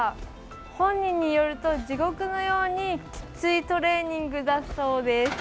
本人によると、地獄のようにきついトレーニングだそうです。